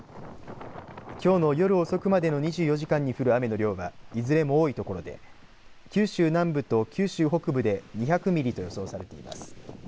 きょうの夜遅くまでの２４時間に降る雨の量はいずれも多いところで、九州南部と九州北部で２００ミリと予想されています。